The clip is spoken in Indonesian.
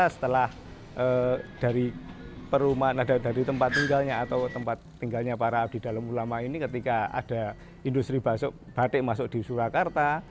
setelah perumahan tempat tinggalnya para abdi dalam ulama ini ketika ada industri batik masuk di surakarta